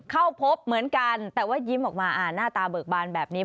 เข้าพบเหมือนกันแต่ว่ายิ้มออกมาหน้าตาเบิกบานแบบนี้